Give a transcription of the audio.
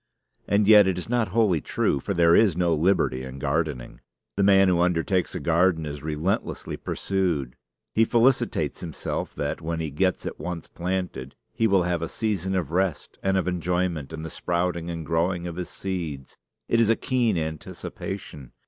And yet it is not wholly true; for there is no liberty in gardening. The man who undertakes a garden is relentlessly pursued. He felicitates himself that, when he gets it once planted, he will have a season of rest and of enjoyment in the sprouting and growing of his seeds. It is a keen anticipation.